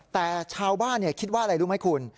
แต่ชาวบ้านคิดว่าอะไรรู้ไหมคุณ